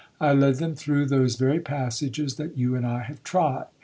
I led them through those very passages that you and I have trod.